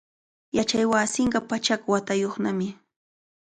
Yachaywasinqa pachak watayuqnami.